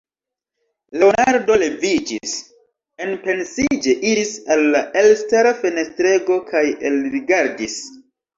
Leonardo leviĝis, enpensiĝe iris al la elstara fenestrego kaj elrigardis.